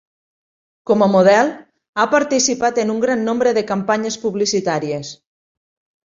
Com a model, ha participat en un gran nombre de campanyes publicitàries.